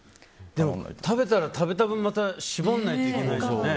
食べたら食べた分絞んないといけないでしょ？